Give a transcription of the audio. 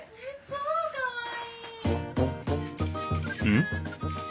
うん？